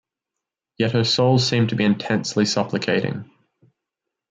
Yet her soul seemed to be intensely supplicating.